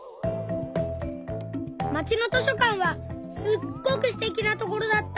まちの図書かんはすっごくすてきなところだった。